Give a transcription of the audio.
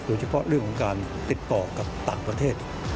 โดยเฉพาะเรื่องของการติดต่อกับต่างประเทศ